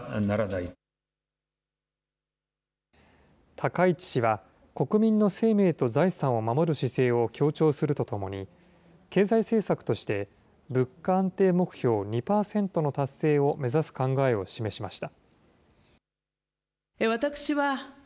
高市氏は、国民の生命と財産を守る姿勢を強調するとともに、経済政策として、物価安定目標２％の達成を目指す考えを示しました。